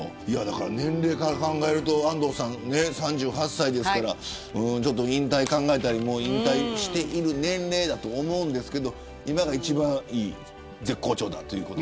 年齢から考えると安藤さん３８歳ですからちょっと引退を考えたりもう引退している年齢だと思うんですけど今が一番いい、絶好調だと。